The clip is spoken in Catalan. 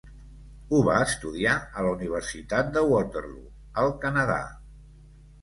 Ho va estudiar a la Universitat de Waterloo, al Canadà.